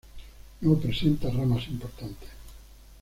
No presenta ramas importantes.